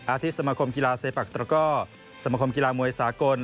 ที่สมาคมกีฬาเซปักตระก้อสมคมกีฬามวยสากล